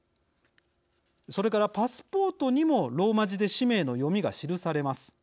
それからパスポートにもローマ字で氏名の読みが記されます。